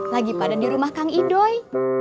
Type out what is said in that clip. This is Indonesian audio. lagi pada di rumah kang edoy